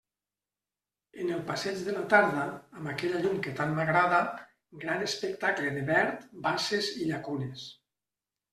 En el passeig de la tarda, amb aquella llum que tant m'agrada, gran espectacle de verd, basses i llacunes.